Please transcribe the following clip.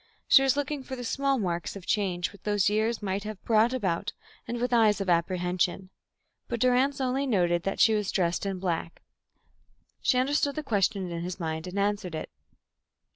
She was looking for the small marks of change which those three years might have brought about, and with eyes of apprehension. But Durrance only noticed that she was dressed in black. She understood the question in his mind and answered it.